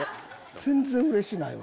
全然うれしないわ。